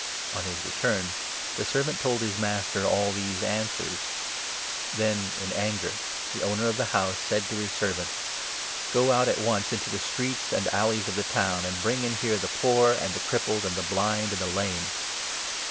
On 21 his return the servant told his master all these answers. Then in anger the owner of the house said to his servant ' Go out at once into the streets and alleys of the town, and bring in here the poor, and the crippled, and the blind, and the lame.'